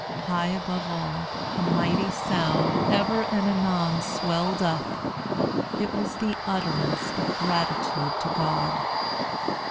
High above all, a mighty sound ever and anon swelled up. It was the utterance of gratitude to God.